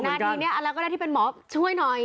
นาทีนี้อะไรก็ได้ที่เป็นหมอช่วยหน่อย